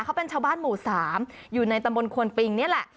เขาเป็นชาวบ้านหมู่๓อยู่ในตำบลควนปิงนี่แหละ